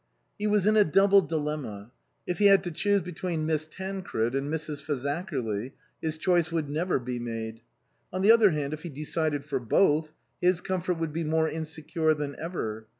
He was in a double dilemma. If he had to choose between Miss Tancred and Mrs. Faza kerly his choice would never be made. On the other hand, if he decided for both, his comfort would be more insecure than ever.